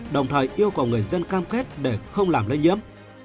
đồng thời yêu cầu người dân cam kết để không làm lây nhiễm